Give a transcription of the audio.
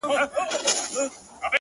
• ما ویل زه به ستا ښایستې سینې ته,